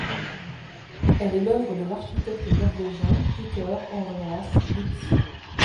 Elle est l'œuvre de l'architecte norvégien Peter Andreas Blix.